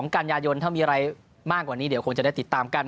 กันยายนถ้ามีอะไรมากกว่านี้เดี๋ยวคงจะได้ติดตามกัน